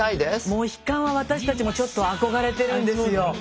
モヒカンは私たちもちょっと憧れてるんですよ。